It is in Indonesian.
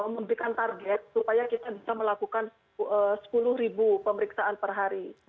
memberikan target supaya kita bisa melakukan sepuluh pemeriksaan per hari